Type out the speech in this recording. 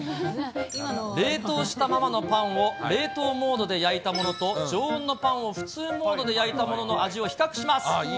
冷凍したままのパンを冷凍モードで焼いたものと、常温のパンを普通モードで焼いたものの味を比較します。